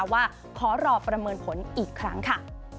ว่าขอรอประเมินผลอีกครั้งค่ะ